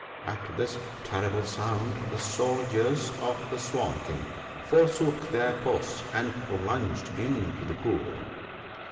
" At this terrible sound the soldiers of the Swan king forsook their posts, and plunged into the pool.